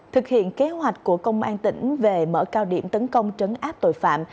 thực hiện kế hoạch của công an tỉnh về mở cao điểm tấn công trấn áp tội phạm